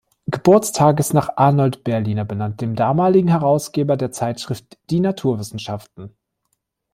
Geburtstages nach Arnold Berliner benannt, dem damaligen Herausgeber der Zeitschrift "Die Naturwissenschaften".